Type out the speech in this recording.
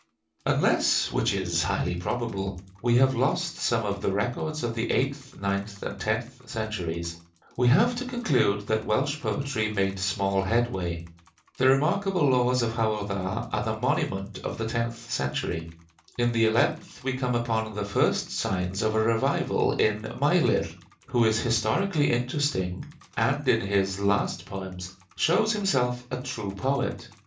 Unless, which is highly probable, we have lost some of the records of the eighth, ninth, and tenth centuries, we have to conclude that Welsh poetry made small headway. The remarkable laws of Howel Dda are the monument of the tenth century. In the eleventh we come upon the first signs of a revival in Meilir, who is historically interesting, and in his last poems shows himself a true poet.